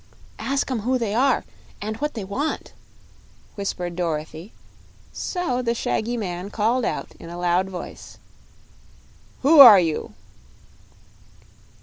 "Ask 'em who they are, and what they want," whispered Dorothy; so the shaggy man called out in a loud voice: "Who are you?"